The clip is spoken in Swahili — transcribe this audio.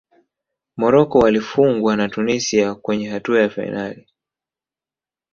morocco walifungwa na tunisia kwenye hatua ya fainali